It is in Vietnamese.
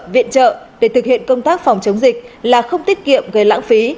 viện trợ để thực hiện công tác phòng chống dịch là không tiết kiệm gây lãng phí